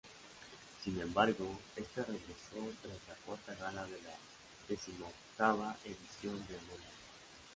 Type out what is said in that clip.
Sin embargo, este regresó tras la cuarta gala de la decimoctava edición de anónimos.